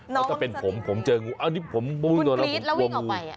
และจะเป็นผมผมเจอก็ไม่ง่อนมึงกรี๊ดแล้ววิ่งออกไป